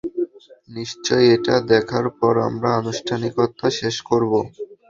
নিশ্চয় এটা দেখার পর আমরা আনুষ্ঠানিকতা শেষ করব।